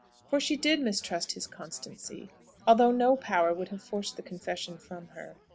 For she did mistrust his constancy, although no power would have forced the confession from her.